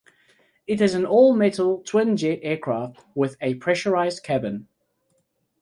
It is an all-metal, twin-jet aircraft with a pressurized cabin.